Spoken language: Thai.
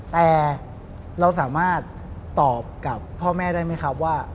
แต่เราสามารถตอบกับพ่อแม่ได้ไหมครับว่า